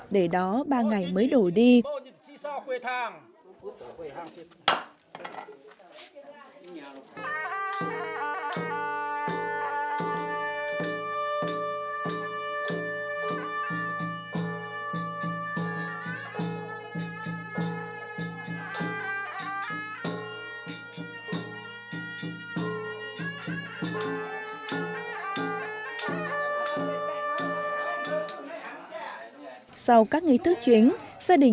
để đó ba ngày mới đổ đi